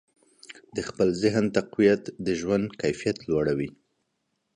د خپل ذهن تقویت د ژوند کیفیت لوړوي.